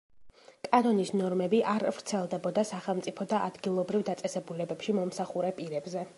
კანონის ნორმები არ ვრცელდებოდა სახელმწიფო და ადგილობრივ დაწესებულებებში მომსახურე პირებზე.